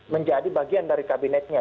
menjadi bagian dari kabinetnya